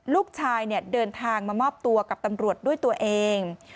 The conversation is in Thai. ลูกชายเดินทางมามอบตัวกับตำรวจด้วยตัวเอง